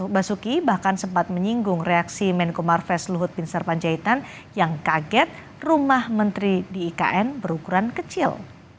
basuki bahkan sempat menyinggung reaksi menko marves luhut bin sarpanjaitan yang kaget rumah menteri di ikn berukuran kecil